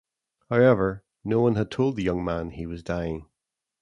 However, no one had told the young man he was dying.